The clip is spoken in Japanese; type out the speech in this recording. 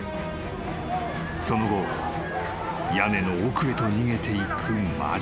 ［その後屋根の奥へと逃げていく魔女］